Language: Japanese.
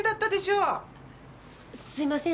すいません。